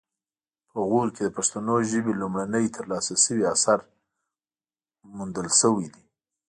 په غور کې د پښتو ژبې لومړنی ترلاسه شوی اثر موندل شوی دی